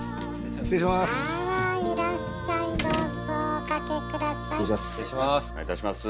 お願いいたします。